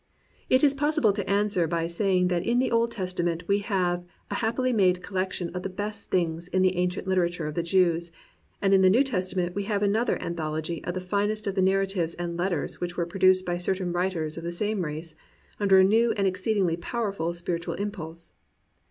It is possible to answer by saying that in the Old Testament we have a happily made collection of the best things in the ancient literature of the Jews, and in the New Testament we have another anthology of the finest of the narratives and letters which were produced by certain writers of the same race under a new and exceedingly powerful spiritual impulse.